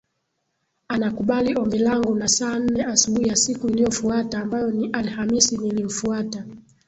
anakubali ombi langu na saa nne asubuhi ya siku iliyofuata ambayo ni Alhamisi nilimfuata